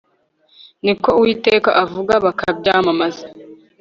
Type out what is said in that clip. ni ko uwiteka avuga bakabyamamaza